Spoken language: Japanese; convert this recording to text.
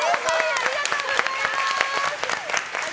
ありがとうございます。